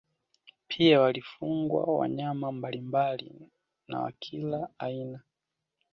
Pia walifugwa wanyama mbalimbali na wa kila aina